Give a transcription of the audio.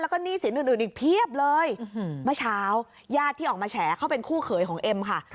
แล้วก็หนี้สินอื่นอื่นอีกเพียบเลยเมื่อเช้าญาติที่ออกมาแฉเขาเป็นคู่เขยของเอ็มค่ะ